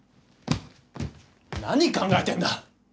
何考えてんだ。